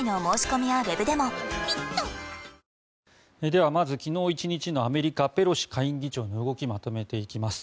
ではまず昨日１日のアメリカペロシ下院議長の動きをまとめていきます。